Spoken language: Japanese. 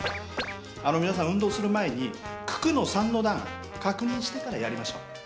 皆さん運動する前に九九の３の段確認してからやりましょう。